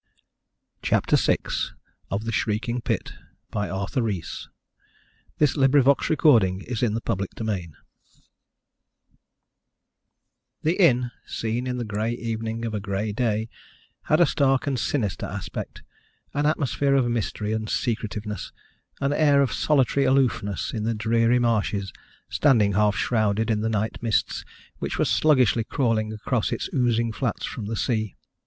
t us return to the inn. We have a number of things to do, and not much time to do them in." CHAPTER VI The inn, seen in the grey evening of a grey day, had a stark and sinister aspect, an atmosphere of mystery and secretiveness, an air of solitary aloofness in the dreary marshes, standing half shrouded in the night mists which were sluggishly crawling across the oozing flats from the sea.